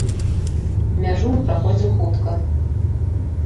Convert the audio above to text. Мяжу мы праходзім хутка.